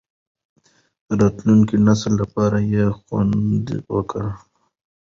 د راتلونکي نسل لپاره یې خوندي کړو.